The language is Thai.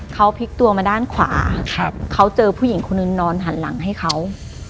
เขาพลิกตัวมาด้านขวาเขาเจอผู้หญิงคนนึงนอนหันหลังให้เขา